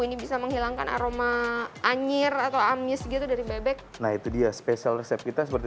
ini bisa menghilangkan aroma anjir atau amis gitu dari bebek nah itu dia spesial resep kita seperti